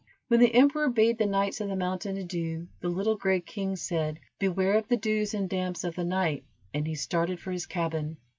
When the emperor bade the knights of the mountain adieu, the little gray king said: "Beware of the dews and damps of the night," and he started for his cabin.